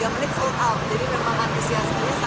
jadi memang antusiasme sangat luar biasa